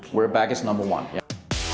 kita kembali ke nomor satu